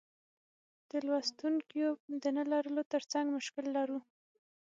د لوستونکیو د نه لرلو ترڅنګ مشکل لرو.